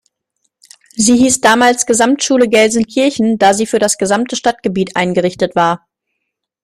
Sie hieß damals Gesamtschule Gelsenkirchen, da sie für das gesamte Stadtgebiet eingerichtet war.